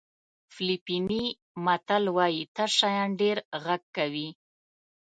فلیپیني متل وایي تش شیان ډېر غږ کوي.